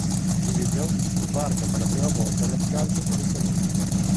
Division, sbarca per la prima volta nel calcio professionistico.